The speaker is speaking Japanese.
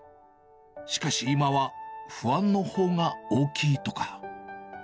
しかし今は不安のほうが大きいとか。